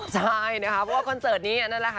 ใช่นะคะเพราะว่าคอนเสิร์ตนี้นั่นแหละค่ะ